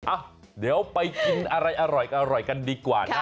อะเดี๋ยวไปกินอะไรอร่อยกันอร่อยกันดีกว่านะ